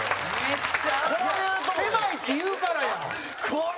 「狭い」って言うからやん！